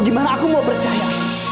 gimana aku mau percaya